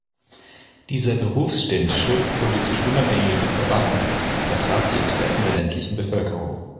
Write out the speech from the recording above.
Dieser berufsständische, politisch unabhängige Verband vertrat die Interessen der ländlichen Bevölkerung.